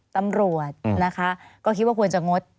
ตำรวจนะคะก็คิดว่าควรจะงด